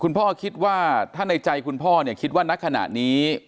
พ่อคิดว่าถ้าในใจคุณพ่อเนี่ยคิดว่านักขณะนี้